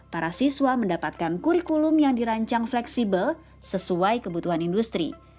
para siswa mendapatkan kurikulum yang dirancang fleksibel sesuai kebutuhan industri